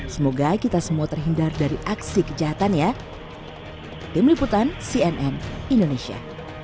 semoga kita semua terhindar dari aksi kejahatan ya